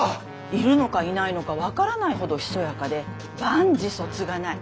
いるのかいないのか分からないほどひそやかで万事そつがない。